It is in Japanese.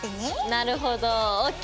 なるほどＯＫ！